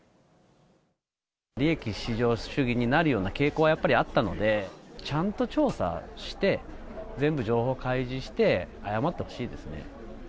利益至上主義になるような傾向はやっぱりあったので、ちゃんと調査して、全部情報開示して、謝ってほしいですね。